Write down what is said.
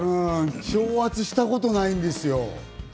長髪したことないんですよ。